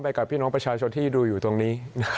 กับพี่น้องประชาชนที่ดูอยู่ตรงนี้